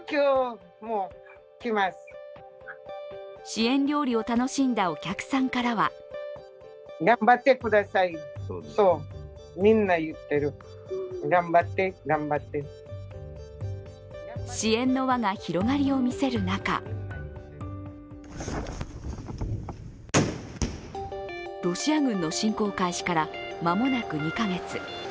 支援料理を楽しんだお客さんからは支援の輪が広がりを見せる中ロシア軍の侵攻開始から間もなく２カ月。